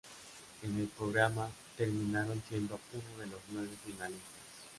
En el programa terminaron siendo uno de los nueve finalistas.